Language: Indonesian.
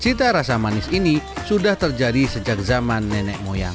cita rasa manis ini sudah terjadi sejak zaman nenek moyang